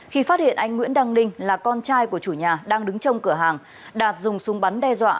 khi phát hiện anh nguyễn đăng ninh là con trai của chủ nhà đang đứng trong cửa hàng đạt dùng súng bắn đe dọa